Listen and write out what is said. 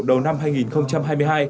đầu năm hai nghìn hai mươi hai